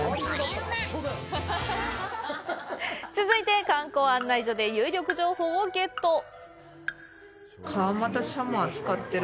続いて、観光案内所で有力情報をゲット！